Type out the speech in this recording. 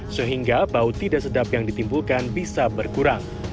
sehingga bau tidak sedap yang ditimbulkan bisa berkurang